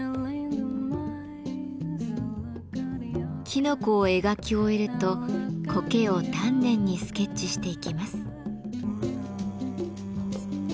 きのこを描き終えるとコケを丹念にスケッチしていきます。